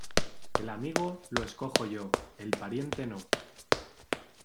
El amigo, lo escojo yo, el pariente, no.